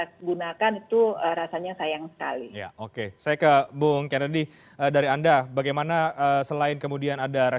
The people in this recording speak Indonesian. apakah mereka bersedia membayar